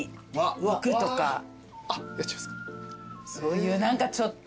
そういう何かちょっと。